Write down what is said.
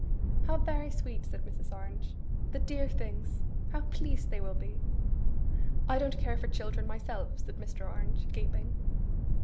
'How very sweet!' said Mrs. Orange. 'The dear things! How pleased they will be!' 'I don't care for children myself,' said Mr. Orange, gaping.